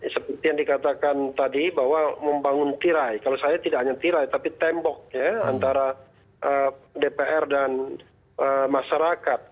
seperti yang dikatakan tadi bahwa membangun tirai kalau saya tidak hanya tirai tapi tembok ya antara dpr dan masyarakat